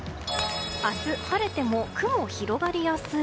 明日、晴れても雲広がりやすい。